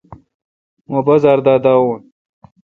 مہ بازار دا داوین۔